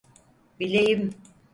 Bileğim!